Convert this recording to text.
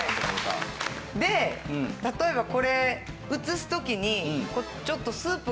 で例えばこれ移す時に。